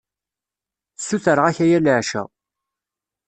Ssutreɣ-ak aya leɛca.